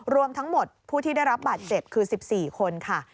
รวมทั้งหมดผู้ที่ได้รับบาดเจ็บคือ๑๔คนค่ะ